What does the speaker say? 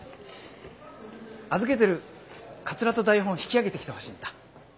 預けてるかつらと台本を引き揚げてきてほしいんだ。